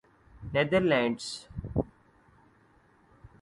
neither lands